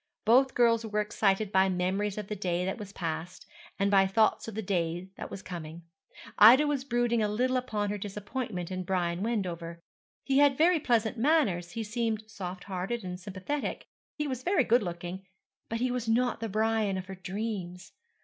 Both girls were excited by memories of the day that was past, and by thoughts of the day that was coming. Ida was brooding a little upon her disappointment in Brian Wendover. He had very pleasant manners, he seemed soft hearted and sympathetic, he was very good looking but he was not the Brian of her dreams.